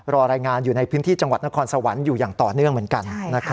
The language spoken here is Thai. รายงานอยู่ในพื้นที่จังหวัดนครสวรรค์อยู่อย่างต่อเนื่องเหมือนกัน